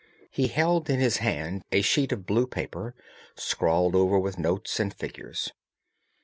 He held in his hand a sheet of blue paper, scrawled over with notes and figures.